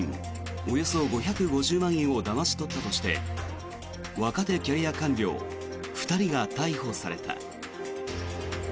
およそ５５０万円をだまし取ったとして若手キャリア官僚２人が逮捕された。